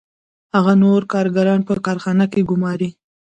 هغه نور کارګران په کارخانه کې ګوماري